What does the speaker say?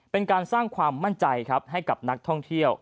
เป็นการสร้างความมั่นใจครับให้กับนักท่องเที่ยว